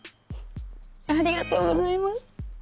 ありがとうございます。